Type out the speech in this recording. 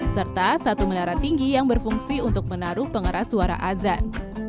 serta satu menara tinggi yang berfungsi untuk menaruh pengeras suara azan